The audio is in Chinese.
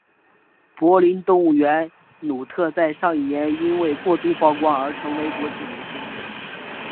柏林动物园的努特在上一年就因为过度曝光而成为了国际明星。